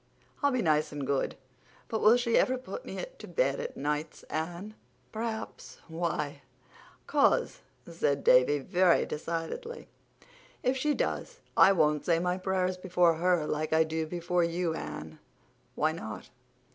"I'll be nice and good. But will she ever put me to bed at nights, Anne?" "Perhaps. Why?" "'Cause," said Davy very decidedly, "if she does I won't say my prayers before her like I do before you, Anne." "Why not?"